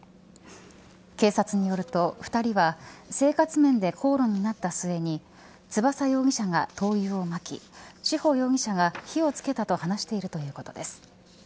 警察によると、２人は生活面で口論になった末に翼容疑者が灯油をまき志保容疑者が火を付けたと話しているということです。